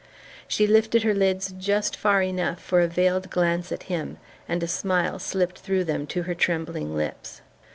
She lifted her lids just far enough for a veiled glance at him, and a smile slipped through them to her trembling lips.